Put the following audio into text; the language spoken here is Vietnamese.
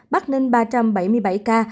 bắc ninh ba trăm bảy mươi bảy ca